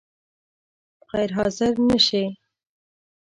غیر حاضر نه شې؟